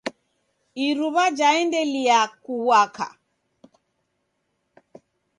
iruw'a jaendelia kuaka.